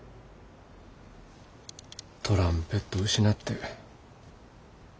トランペット失って。